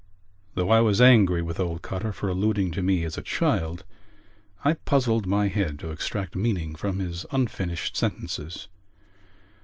Though I was angry with old Cotter for alluding to me as a child, I puzzled my head to extract meaning from his unfinished sentences.